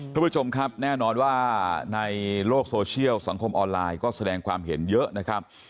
คุณผู้ชมครับแน่นอนว่าในโลกโซเชียลสังคมออนไลน์ก็แสดงความเห็นเยอะนะครับ